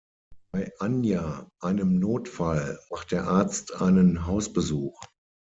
Bei Anja, einem Notfall, macht der Arzt einen Hausbesuch.